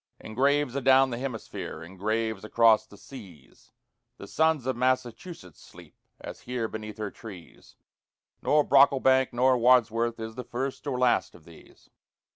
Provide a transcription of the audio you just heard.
In graves adown the hemisphere, in graves across the seas, The sons of Massachusetts sleep, as here beneath her trees, Nor Brocklebank nor Wadsworth is the first or last of these.